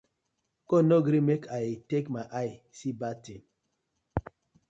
God no gree mek I take my eye see bad tin.